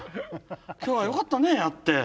今日はよかったねやって。